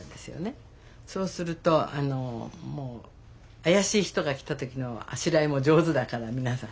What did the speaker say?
そうするともう怪しい人が来た時のあしらいも上手だから皆さん。